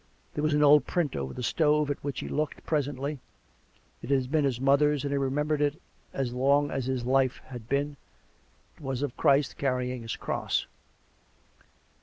There was an old print over the stove at which he looked presently — it had been his mother's, and he remembered it as long as his life had been — it was of Christ carrying His cross.